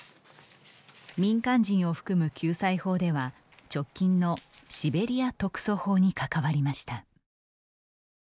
民間人を含む救済法では直近のシベリア特措法に関わりました。